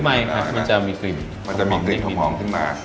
ไม่ค่ะมันจะมีกลิ่นถมองขึ้นมา